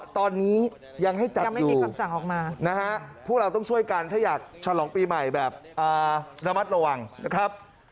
ตอนนี้ยังให้จัดอยู่พวกเราต้องช่วยกันถ้าอยากฉลองปีใหม่แบบระมัดระวังนะครับ